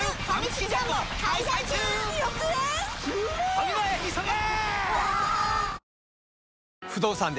ファミマへ急げ！！